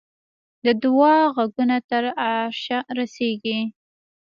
د دعا ږغونه تر عرشه رسېږي.